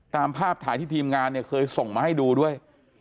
ตามภาพถ่ายที่ทีมงานเนี่ยเคยส่งมาให้ดูด้วย